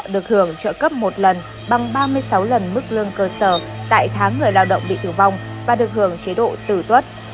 được hưởng trợ cấp một lần bằng ba mươi sáu lần mức lương cơ sở tại tháng người lao động bị tử vong và được hưởng chế độ tử tuất